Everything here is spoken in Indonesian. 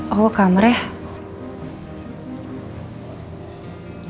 aku ke kamarnya